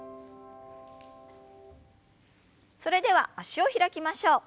それでは脚を開きましょう。